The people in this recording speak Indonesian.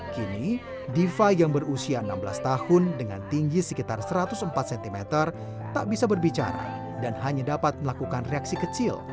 kini diva yang berusia enam belas tahun dengan tinggi sekitar satu ratus empat cm tak bisa berbicara dan hanya dapat melakukan reaksi kecil